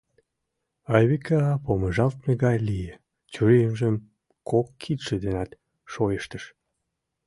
Айвика помыжалтме гай лие, чурийжым кок кидше денат шойыштыш.